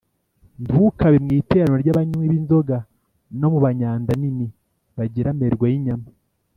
ntukabe mu iteraniro ry’abanywi b’inzoga, no mu ry’abanyandanini bagira amerwe y’inyama